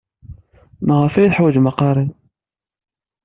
Maɣef ay ḥwajen aqariḍ?